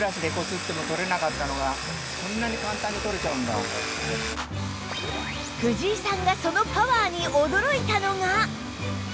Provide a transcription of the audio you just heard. そこで藤井さんがそのパワーに驚いたのが